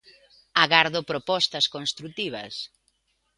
Agardo propostas construtivas.